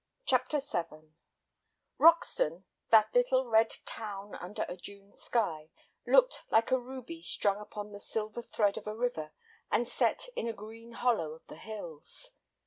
CHAPTER VII Roxton, that little red town under a June sky, looked like a ruby strung upon the silver thread of a river and set in a green hollow of the hills.